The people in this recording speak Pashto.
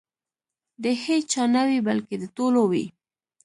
د هیچا نه وي بلکې د ټولو وي.